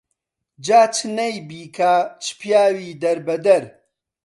جا چ نەی بیکا چ پیاوی دەربەدەر